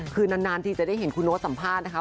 คือนานทีจะได้เห็นคุณโน๊ตสัมภาษณ์นะคะ